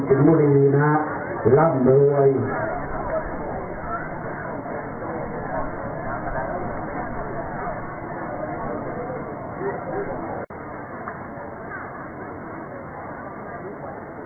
สวัสดีครับสวัสดีครับ